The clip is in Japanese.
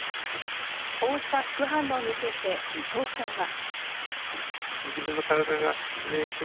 こうした副反応について伊藤さんは。